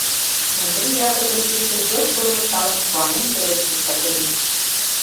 — Ондри Япыкын кидшым чот кормыжталын, куанен пелештыш Качырий.